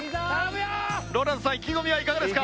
ＲＯＬＡＮＤさん意気込みはいかがですか？